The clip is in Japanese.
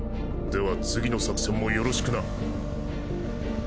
では次の作戦もよろしくな。